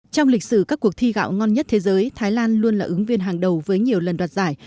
trong lịch sử các cuộc thi gạo ngon nhất thế giới thái lan luôn là ứng viên hàng đầu với nhiều lần đoạt giải